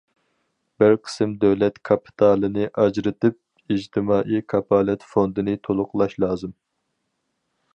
بىر قىسىم دۆلەت كاپىتالىنى ئاجرىتىپ ئىجتىمائىي كاپالەت فوندىنى تولۇقلاش لازىم.